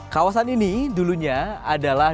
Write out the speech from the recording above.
kawasan ini dulunya adalah